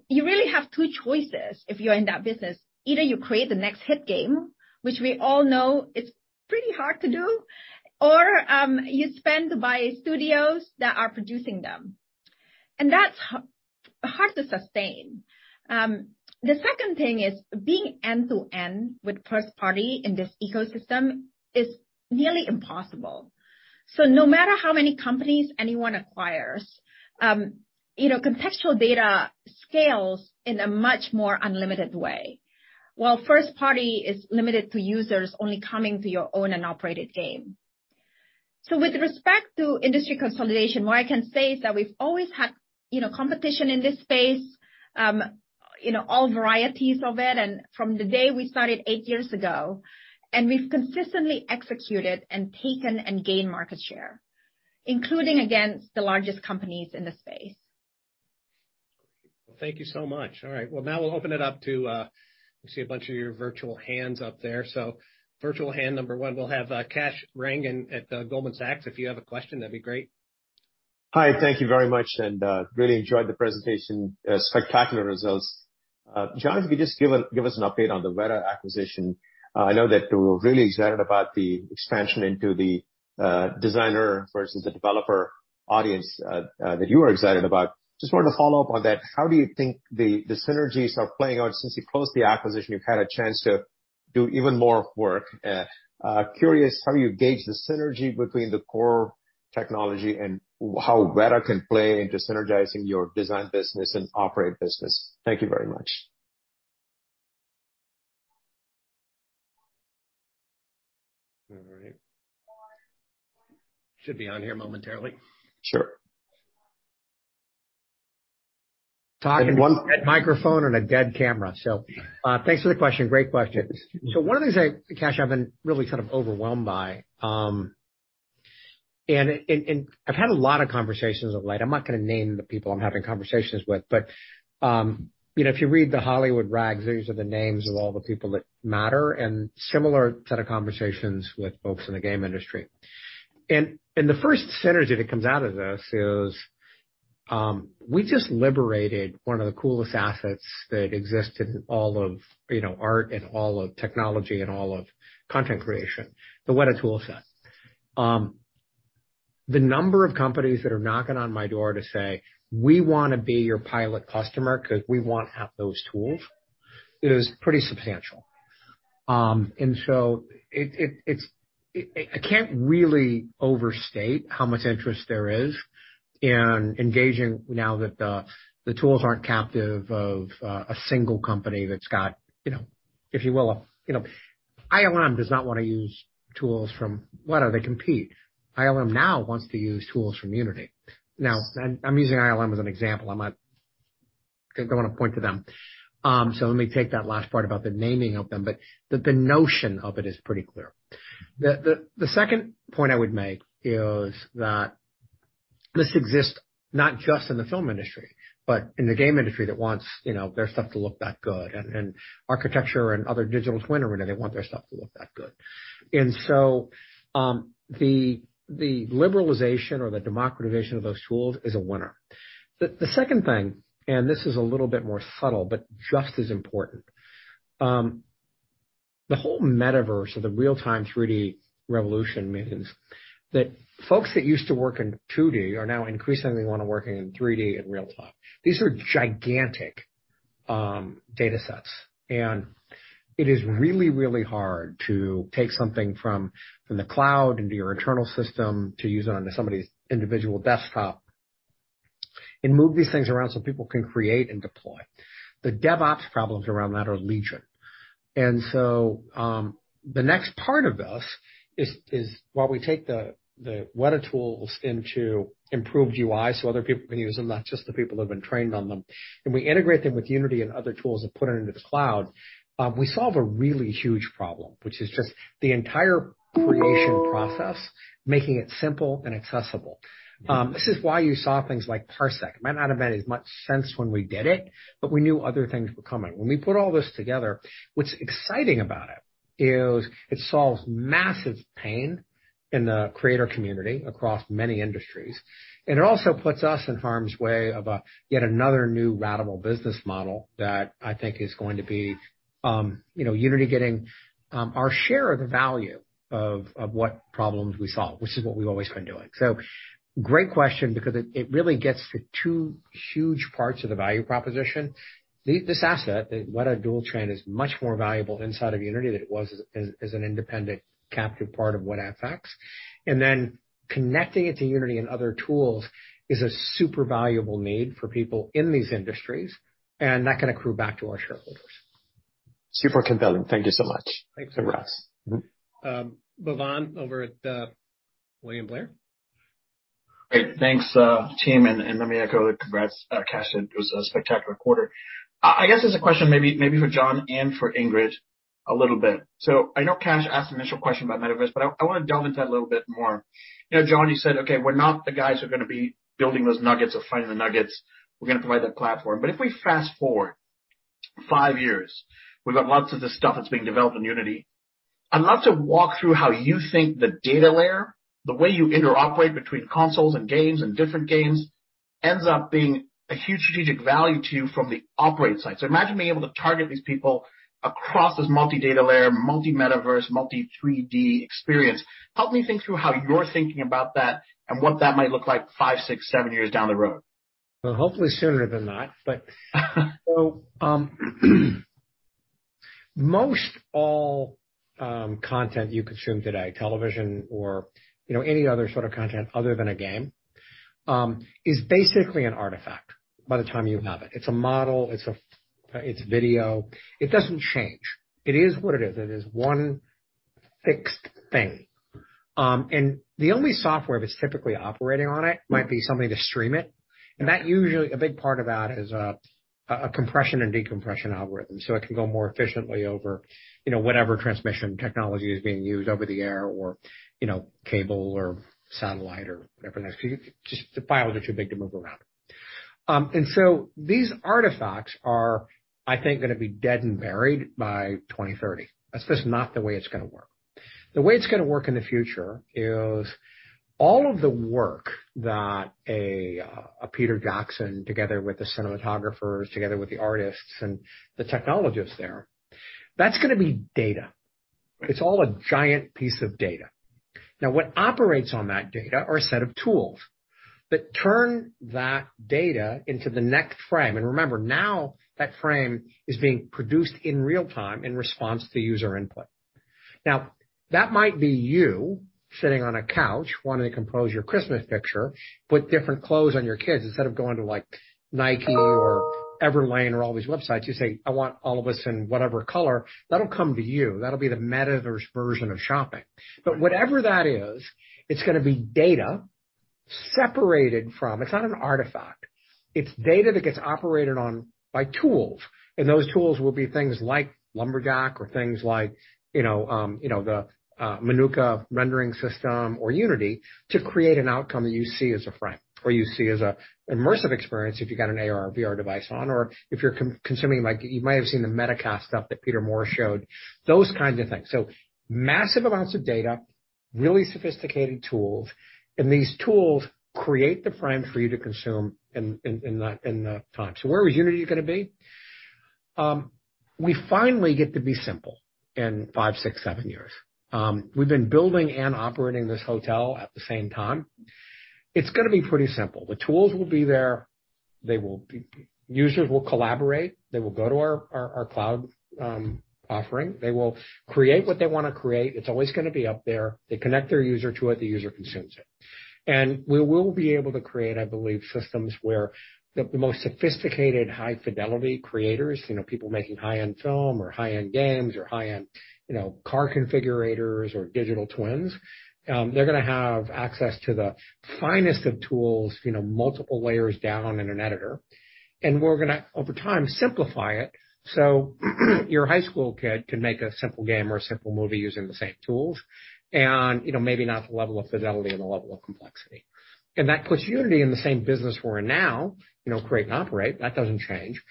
You really have two choices if you're in that business. Either you create the next hit game, which we all know it's pretty hard to do, or you spend to buy studios that are producing them. That's hard to sustain. The second thing is being end-to-end with first party in this ecosystem is nearly impossible. No matter how many companies anyone acquires, you know, contextual data scales in a much more unlimited way, while first party is limited to users only coming to your own and operated game. With respect to industry consolidation, what I can say is that we've always had, you know, competition in this space, you know, all varieties of it, and from the day we started eight years ago, and we've consistently executed and taken and gained market share, including against the largest companies in the space. Thank you so much. All right, well now we'll open it up to, I see a bunch of your virtual hands up there. Virtual hand number one, we'll have Kash Rangan at Goldman Sachs. If you have a question, that'd be great. Hi, thank you very much, and really enjoyed the presentation. Spectacular results. John, could you just give us an update on the Weta acquisition? I know that we're really excited about the expansion into the designer versus the developer-audience that you are excited about. Just wanted to follow up on that. How do you think the synergies are playing out? Since you closed the acquisition, you've had a chance to do even more work. Curious how you gauge the synergy between the core technology and how Weta can play into synergizing your design business and operate business. Thank you very much. All right. Should be on here momentarily. Sure. Talking to a dead microphone and a dead camera. Thanks for the question. Great question. One of the things I Kash, I've been really kind of overwhelmed by, and I've had a lot of conversations of late. I'm not gonna name the people I'm having conversations with, but you know, if you read the Hollywood rags, these are the names of all the people that matter, and similar set of conversations with folks in the game industry. The first synergy that comes out of this is, we just liberated one of the coolest assets that existed in all of, you know, art and all of technology and all of content creation, the Weta toolset. The number of companies that are knocking on my door to say, "We wanna be your pilot customer 'cause we want those tools out," is pretty substantial. I can't really overstate how much interest there is in engaging now that the tools aren't captive of a single company that's got you know, if you will, a you know. ILM does not wanna use tools from Weta. They compete. ILM now wants to use tools from Unity. Now, I'm using ILM as an example. I'm not gonna point to them. Let me take that last part about the naming of them. The notion of it is pretty clear. The second point I would make is that this exists not just in the film industry, but in the game industry that wants, you know, their stuff to look that good, and architecture and other digital twin arena, they want their stuff to look that good. The liberalization or the democratization of those tools is a winner. The second thing, and this is a little bit more subtle but just as important, the whole metaverse of the real-time 3D revolution means that folks that used to work in 2D are now increasingly wanna work in 3D in real time. These are gigantic datasets, and it is really hard to take something from the cloud into your internal system to use it onto somebody's individual desktop and move these things around so people can create and deploy. The DevOps problems around that are legion. The next part of this is while we take the Weta tools into improved UI so other people can use them, not just the people who've been trained on them, and we integrate them with Unity and other tools and put it into the cloud, we solve a really huge problem, which is just the entire creation process, making it simple and accessible. This is why you saw things like Parsec, which might not have made as much sense when we did it, but we knew other things were coming. When we put all this together, what's exciting about it is it solves massive pain in the creator community across many industries, and it also puts us in harm's way of yet another new ratable business model that I think is going to be, you know, Unity getting our share of the value of what problems we solve, which is what we've always been doing. Great question because it really gets to two huge parts of the value proposition. This asset, the Weta Digital is much more valuable inside of Unity than it was as an independent captive part of WetaFX. Connecting it to Unity and other tools is a super valuable need for people in these industries, and that can accrue back to our shareholders. Super compelling. Thank you so much. Thanks so much. Congrats. Bhavan over at William Blair. Great. Thanks, team, and let me echo the congrats, Kash. It was a spectacular quarter. I guess as a question maybe for John and for Ingrid a little bit. I know Kash asked the initial question about metaverse, but I wanna delve into that a little bit more. You know, John, you said, "Okay, we're not the guys who are gonna be building those nuggets or finding the nuggets. We're gonna provide that platform." If we fast-forward five years, we've got lots of this stuff that's being developed in Unity. I'd love to walk through how you think the data layer, the way you interoperate between consoles and games and different games, ends up being a huge strategic value to you from the operate side. Imagine being able to target these people across this multi-data layer, multi-metaverse, multi-3D experience. Help me think through how you're thinking about that and what that might look like five, six, seven years down the road. Well, hopefully sooner than that. Most all content you consume today, television or, you know, any other sort of content other than a game, is basically an artifact by the time you have it. It's a model. It's video. It doesn't change. It is what it is. It is one fixed thing. The only software that's typically operating on it might be something to stream it. A big part of that is a compression and decompression algorithm, so it can go more efficiently over, you know, whatever transmission technology is being used over the air or, you know, cable or satellite or whatever. Just the files are too big to move around. These artifacts are, I think, gonna be dead and buried by 2030. That's just not the way it's gonna work. The way it's gonna work in the future is all of the work that Peter Jackson together with the cinematographers, together with the artists and the technologists there, that's gonna be data. It's all a giant piece of data. Now, what operates on that data are a set of tools that turn that data into the next frame. Remember, now that frame is being produced in real-time in response to user input. Now, that might be you sitting on a couch wanting to compose your Christmas picture, put different clothes on your kids instead of going to like Nike or Everlane or all these websites. You say, "I want all of us in whatever color." That'll come to you. That'll be the metaverse version of shopping. Whatever that is, it's gonna be data separated from. It's not an artifact. It's data that gets operated on by tools, and those tools will be things like Lumberjack or things like, you know, the Manuka rendering system or Unity to create an outcome that you see as a frame or you see as an immersive experience if you've got an AR or VR device on or if you're consuming, like you might have seen the Metacast stuff that Peter Moore showed, those kinds of things. Massive amounts of data, really sophisticated tools, and these tools create the frame for you to consume in the time. Where is Unity gonna be? We finally get to be simple in five, six, seven years. We've been building and operating this hotel at the same time. It's gonna be pretty simple. The tools will be there. They will be users will collaborate. They will go to our cloud offering. They will create what they wanna create. It's always gonna be up there. They connect their user to it, the user consumes it. We will be able to create, I believe, systems where the most sophisticated high-fidelity creators, you know, people making high-end film or high-end games or high-end, you know, car configurators or digital twins, they're gonna have access to the finest of tools, you know, multiple layers down in an editor. We're gonna, over time, simplify it, so your high school kid can make a simple game or a simple movie using the same tools and, you know, maybe not the level of fidelity and the level of complexity. That puts Unity in the same business we're in now, you know, create and operate. That doesn't change.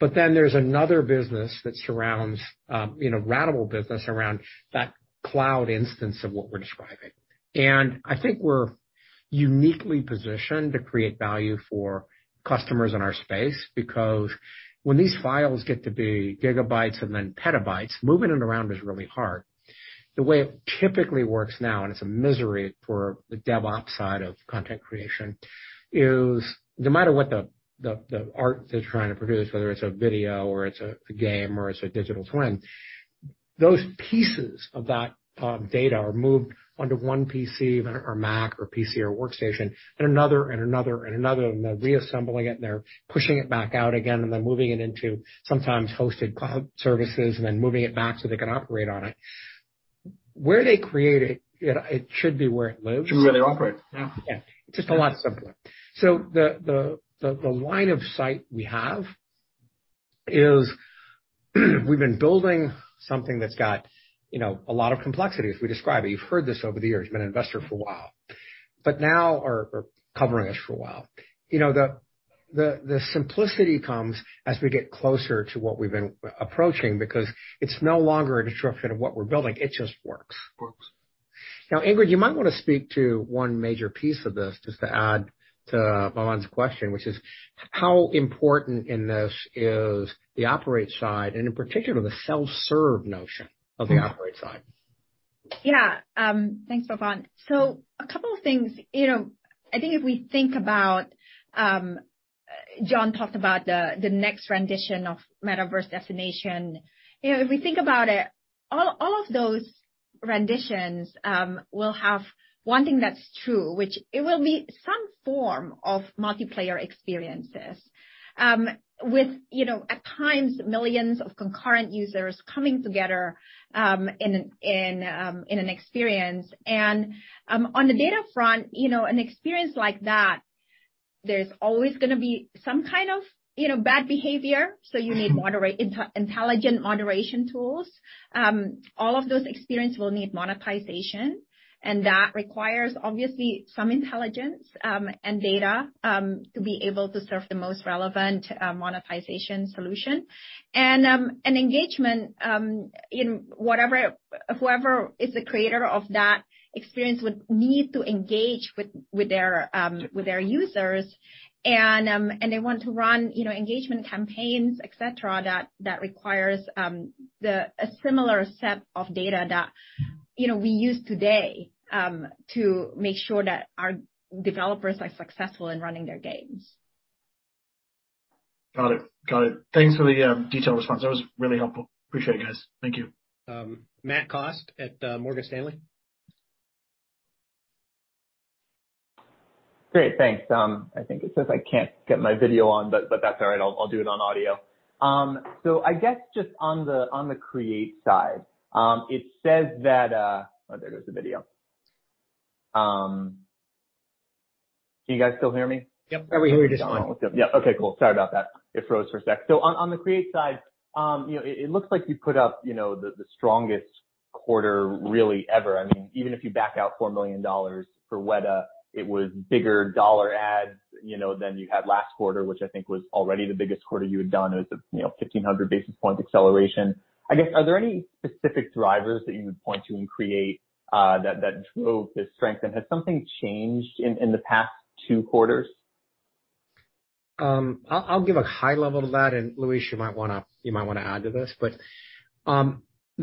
There's another business that surrounds, you know, ratable business around that cloud instance of what we're describing. I think we're uniquely positioned to create value for customers in our space because when these files get to be gigabytes and then petabytes, moving it around is really hard. The way it typically works now, and it's a misery for the DevOps side of content creation, is no matter what the art they're trying to produce, whether it's a video or it's a game or it's a digital twin, those pieces of that data are moved onto one PC or Mac or workstation and another, and they're reassembling it, and they're pushing it back out again and then moving it into sometimes hosted cloud services and then moving it back so they can operate on it. Where they create it, you know, it should be where it lives. Should where they operate. Yeah. Just a lot simpler. The line of sight we have is we've been building something that's got, you know, a lot of complexity, as we described. You've heard this over the years. You've been an investor for a while. Now or covering us for a while. You know, the simplicity comes as we get closer to what we've been approaching because it's no longer a disruption of what we're building. It just works. Works. Now, Ingrid, you might wanna speak to one major piece of this, just to add to Bhavan's question, which is how important in this is the operate side and in particular the self-serve notion of the operate side? Yeah. Thanks, Bhavan. A couple of things. You know, I think if we think about, John talked about the next rendition of metaverse destination. You know, if we think about it, all of those renditions will have one thing that's true, which it will be some form of multiplayer experiences, with, you know, at times, millions of concurrent users coming together, in an experience. On the data front, you know, an experience like that, there's always gonna be some kind of, you know, bad behavior. You need intelligent moderation tools. All of those experiences will need monetization, and that requires obviously some intelligence, and data, to be able to serve the most relevant, monetization solution. An engagement in whoever is the creator of that experience would need to engage with their users. They want to run, you know, engagement campaigns, et cetera, that requires a similar set of data that, you know, we use today to make sure that our developers are successful in running their games. Got it. Thanks for the detailed response. That was really helpful. Appreciate it, guys. Thank you. Matt Cost at Morgan Stanley. Great. Thanks. I think it says I can't get my video on, but that's all right. I'll do it on audio. I guess just on the create side, it says that. Oh, there goes the video. Can you guys still hear me? Yep. Yeah, we hear you just fine. Yeah. Okay, cool. Sorry about that. It froze for a sec. On the create side, you know, it looks like you put up, you know, the strongest quarter really ever. I mean, even if you back out $4 million for Weta, it was bigger dollar adds, you know, than you had last quarter, which I think was already the biggest quarter you had done. It was, you know, 1,500 basis points acceleration. I guess, are there any specific drivers that you would point to in Create that drove this strength? And has something changed in the past two quarters? I'll give a high level to that, and Luis, you might wanna add to this.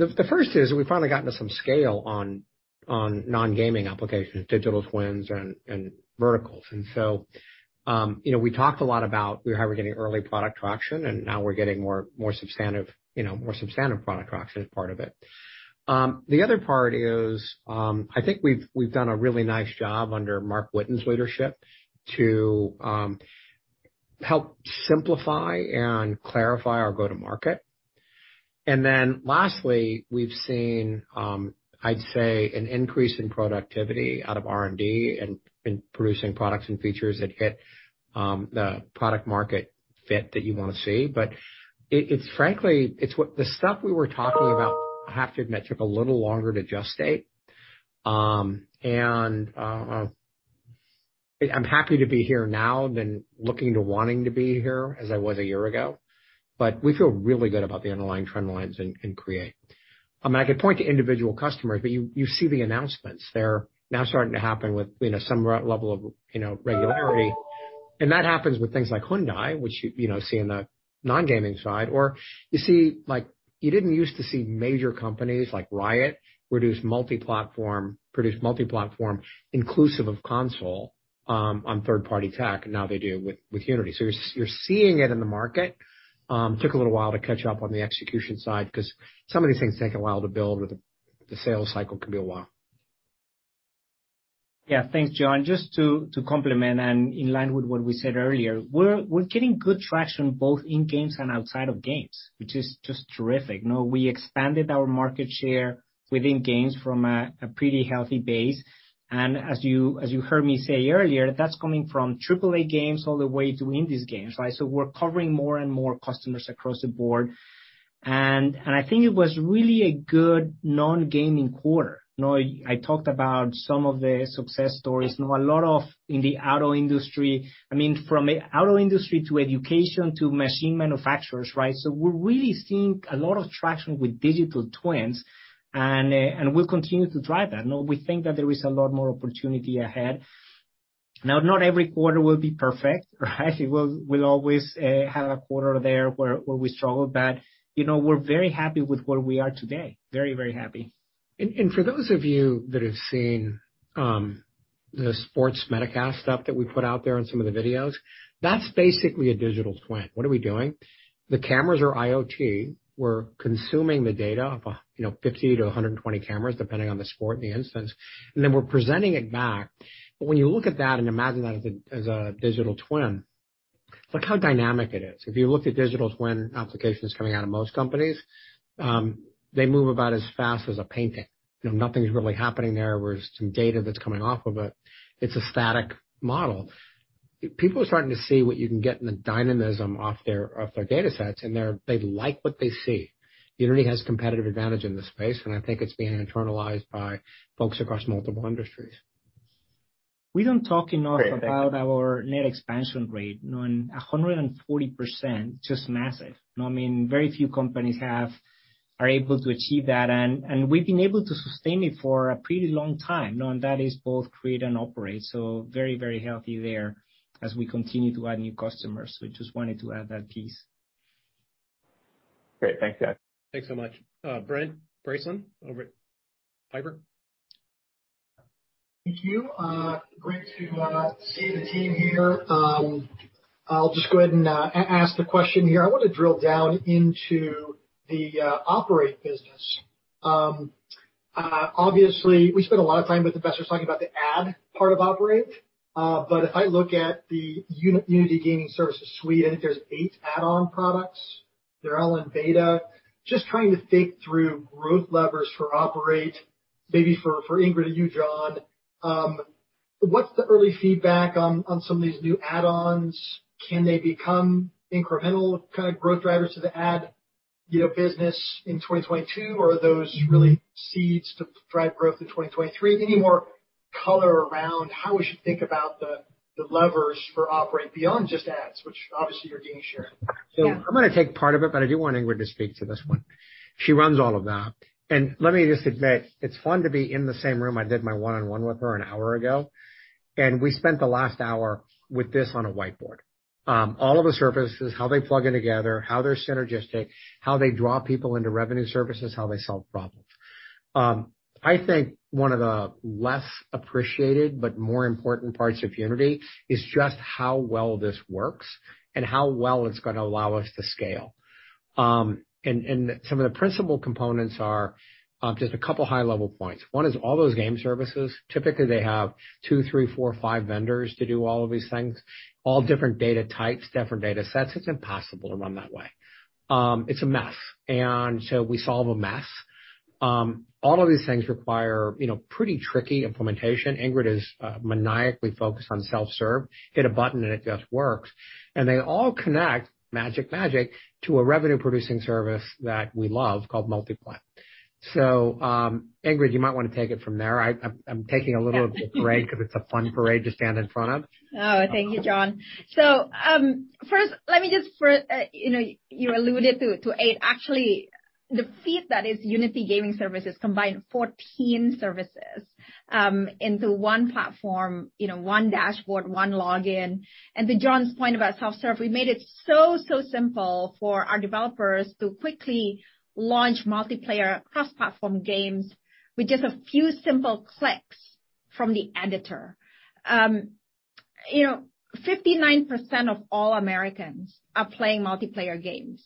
The first is we've finally gotten to some scale on non-gaming applications, digital twins and verticals. You know, we talked a lot about how we're getting early product traction, and now we're getting more substantive, you know, more substantive product traction as part of it. The other part is, I think we've done a really nice job under Marc Whitten's leadership to help simplify and clarify our go-to-market. Lastly, we've seen, I'd say an increase in productivity out of R&D and in producing products and features that hit the product market fit that you wanna see. It's frankly what the stuff we were talking about, I have to admit, took a little longer to gestate. I'm happy to be here now than looking to wanting to be here as I was a year ago. We feel really good about the underlying trend lines in Create. I mean, I could point to individual customers, but you see the announcements. They're now starting to happen with, you know, some level of, you know, regularity. That happens with things like Hyundai, which, you know, see in the non-gaming side. You see like, you didn't use to see major companies like Riot produce multi-platform inclusive of console on third-party tech, now they do with Unity. You're seeing it in the market. It took a little while to catch up on the execution side 'cause some of these things take a while to build, or the sales cycle can be a while. Yeah. Thanks, John. Just to complement and in line with what we said earlier, we're getting good traction both in games and outside of games, which is just terrific. You know, we expanded our market share within games from a pretty healthy base. As you heard me say earlier, that's coming from AAA games all the way to indie games, right? We're covering more and more customers across the board. I think it was really a good non-gaming quarter. You know, I talked about some of the success stories. You know, a lot in the auto industry, I mean, from auto industry to education to machine manufacturers, right? We're really seeing a lot of traction with digital twins, and we'll continue to drive that. You know, we think that there is a lot more opportunity ahead. Now, not every quarter will be perfect, right? We'll always have a quarter there where we struggle, but you know, we're very happy with where we are today. Very, very happy. For those of you that have seen the sports MetaCast stuff that we put out there and some of the videos, that's basically a digital twin. What are we doing? The cameras are IoT. We're consuming the data of you know, 50-120 cameras, depending on the sport and the instance, and then we're presenting it back. When you look at that and imagine that as a digital twin, look how dynamic it is. If you look at digital twin applications coming out of most companies, they move about as fast as a painting. You know, nothing's really happening there. There's some data that's coming off of it. It's a static model. People are starting to see what you can get in the dynamism off their datasets, and they like what they see. Unity has competitive advantage in this space, and I think it's being internalized by folks across multiple industries. We don't talk enough about our net expansion rate. You know, 140%, just massive. You know what I mean? Very few companies are able to achieve that, and we've been able to sustain it for a pretty long time. You know, that is both Create and Operate, so very, very healthy there as we continue to add new customers. Just wanted to add that piece. Great. Thanks, guys. Thanks so much. Brent Bracelin over at Piper. Thank you. Great to see the team here. I'll just go ahead and ask the question here. I want to drill down into the Operate business. Obviously, we spend a lot of time with investors talking about the ad part of Operate. If I look at the Unity gaming services suite, I think there's eight add-on products. They're all in beta. Just trying to think through growth levers for Operate, maybe for Ingrid and you, John. What's the early feedback on some of these new add-ons? Can they become incremental kind of growth drivers to the ad, you know, business in 2022, or are those really seeds to drive growth in 2023? Any more color around how we should think about the levers for Operate beyond just ads, which obviously you're gaining share. I'm gonna take part of it, but I do want Ingrid to speak to this one. She runs all of that. Let me just admit, it's fun to be in the same room. I did my one-on-one with her an hour ago, and we spent the last hour with this on a whiteboard. All of the services, how they plug in together, how they're synergistic, how they draw people into revenue services, how they solve problems. I think one of the less appreciated but more important parts of Unity is just how well this works and how well it's gonna allow us to scale. And some of the principal components are just a couple of high-level points. One is all those game services, typically they have two, three, four, five vendors to do all of these things, all different data types, different datasets. It's impossible to run that way. It's a mess. We solve a mess. All of these things require, you know, pretty tricky implementation. Ingrid is maniacally focused on self-serve. Hit a button and it just works. They all connect, magic, to a revenue-producing service that we love called Multiplay. Ingrid, you might wanna take it from there. I'm taking a little bit of a break because it's a fun parade to stand in front of. Oh, thank you, John. First, let me just you know, you alluded to eight. Actually, The feed that is Unity Gaming Services combined 14 services into one platform, you know, one dashboard, one login. To John's point about self-serve, we made it so simple for our developers to quickly launch multiplayer cross-platform games with just a few simple clicks from the editor. You know, 59% of all Americans are playing multiplayer games.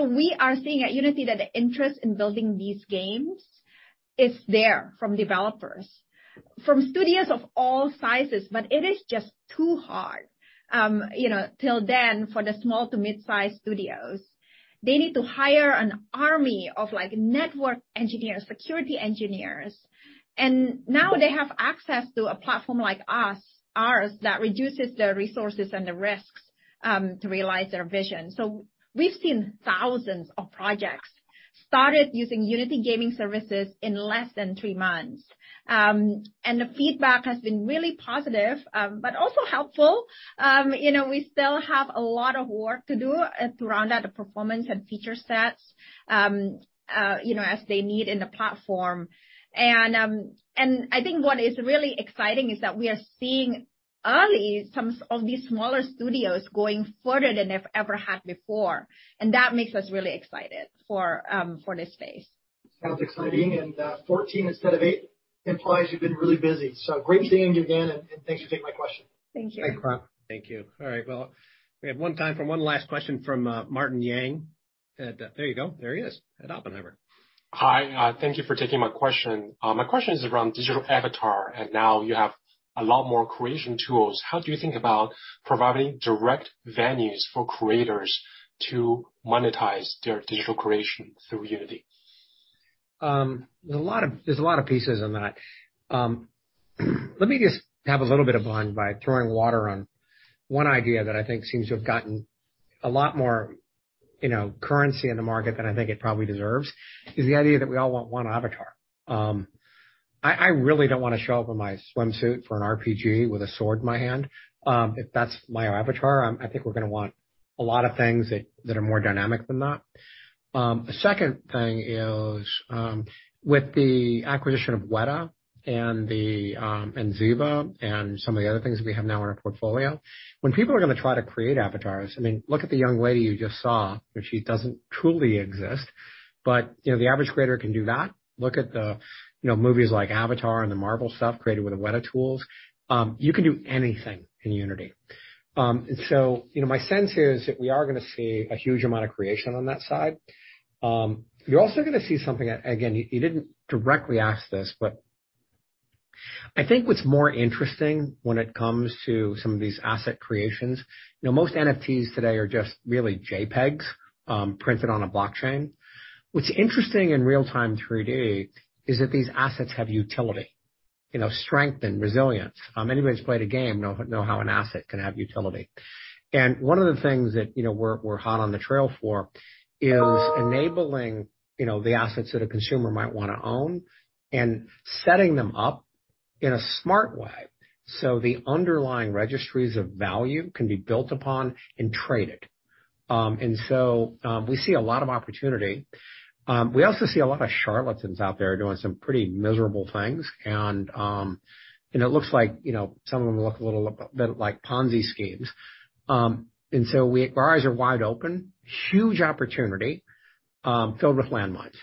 We are seeing at Unity that the interest in building these games is there from developers, from studios of all sizes. It is just too hard, you know, till then, for the small to mid-size studios. They need to hire an army of, like, network engineers, security engineers, and now they have access to a platform like us, ours, that reduces the resources and the risks to realize their vision. We've seen thousands of projects started using Unity Gaming Services in less than three months. The feedback has been really positive, but also helpful. You know, we still have a lot of work to do to round out the performance and feature sets, you know, as they need in the platform. I think what is really exciting is that we are seeing early some of these smaller studios going further than they've ever had before, and that makes us really excited for this space. Sounds exciting. 14 instead of eight implies you've been really busy. Great seeing you again, and thanks for taking my question. Thank you. Thanks, Brent. Thank you. All right, well, we have one time for one last question from Martin Yang at Oppenheimer. There you go. There he is, at Oppenheimer. Hi, thank you for taking my question. My question is around digital avatar, and now you have a lot more creation tools. How do you think about providing direct venues for creators to monetize their digital creation through Unity? There's a lot of pieces on that. Let me just have a little bit of fun by throwing water on one idea that I think seems to have gotten a lot more, you know, currency in the market than I think it probably deserves, is the idea that we all want one avatar. I really don't wanna show up in my swimsuit for an RPG with a sword in my hand, if that's my avatar. I think we're gonna want a lot of things that are more dynamic than that. A second thing is, with the acquisition of Weta and Ziva and some of the other things we have now in our portfolio, when people are gonna try to create avatars, I mean, look at the young lady you just saw, but she doesn't truly exist. You know, the average creator can do that. Look at the, you know, movies like Avatar and the Marvel stuff created with the Weta tools. You can do anything in Unity. You know, my sense is that we are gonna see a huge amount of creation on that side. You're also gonna see something that, again, you didn't directly ask this, but I think what's more interesting when it comes to some of these asset creations, you know, most NFTs today are just really JPEGs, printed on a blockchain. What's interesting in real-time 3D is that these assets have utility, you know, strength and resilience. Anybody who's played a game knows how an asset can have utility. One of the things that, you know, we're hot on the trail for is enabling, you know, the assets that a consumer might wanna own and setting them up in a smart way, so the underlying registries of value can be built upon and traded. We see a lot of opportunity. We also see a lot of charlatans out there doing some pretty miserable things. It looks like, you know, some of them look a little bit like Ponzi schemes. Our eyes are wide open. Huge opportunity filled with landmines.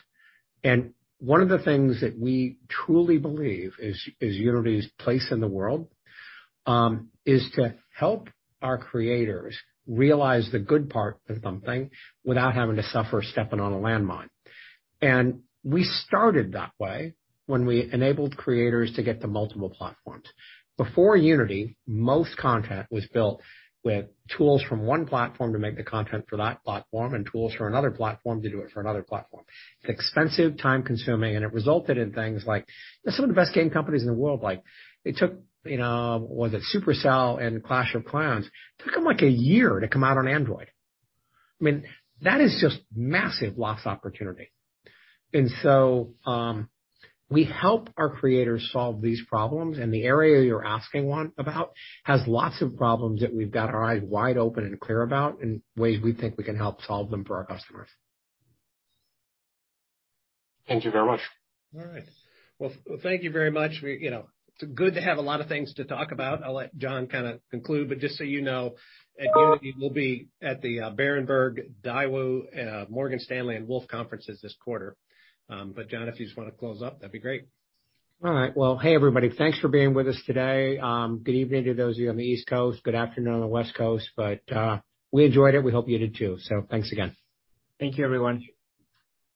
One of the things that we truly believe is Unity's place in the world is to help our creators realize the good part of something without having to suffer stepping on a landmine. We started that way when we enabled creators to get to multiple platforms. Before Unity, most content was built with tools from one platform to make the content for that platform and tools for another platform to do it for another platform. It's expensive, time-consuming, and it resulted in things like some of the best game companies in the world, like, it took, you know, was it Supercell and Clash of Clans? It took them, like, a year to come out on Android. I mean, that is just massive lost opportunity. We help our creators solve these problems, and the area you're asking about has lots of problems that we've got our eyes wide open and clear about, and ways we think we can help solve them for our customers. Thank you very much. All right. Well, thank you very much. We, you know, it's good to have a lot of things to talk about. I'll let John kinda conclude, but just so you know, at Unity, we'll be at the Berenberg, Daiwa, Morgan Stanley and Wolfe conferences this quarter. John, if you just wanna close up, that'd be great. All right. Well, hey, everybody. Thanks for being with us today. Good evening to those of you on the East Coast. Good afternoon on the West Coast. We enjoyed it. We hope you did too. Thanks again. Thank you, everyone.